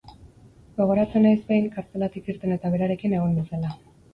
Gogoratzen naiz, behin, kartzelatik irten eta berarekin egon nintzela.